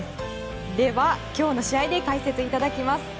では、今日の試合で解説いただきます。